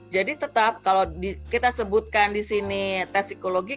jadi tetap kalau kita sebutkan di sini tes psikologi